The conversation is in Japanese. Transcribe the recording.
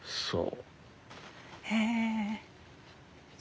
そう。